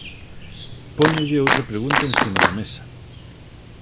Póñolle outra pregunta encima da mesa.